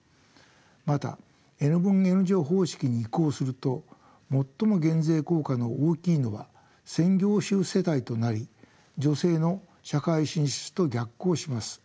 またＮ分Ｎ乗方式に移行すると最も減税効果の大きいのは専業主婦世帯となり女性の社会進出と逆行します。